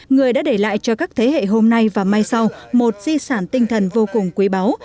người đã để lại cho các thế hệ hôm nay và mai sau một di sản tinh thần vô cùng quý báu